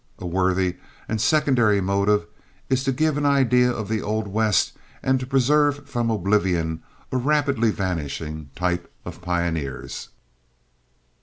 A worthy and secondary motive is to give an idea of the old West and to preserve from oblivion a rapidly vanishing type of pioneers.